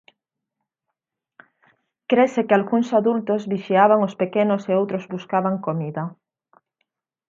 Crese que algúns adultos vixiaban os pequenos e outros buscaban comida.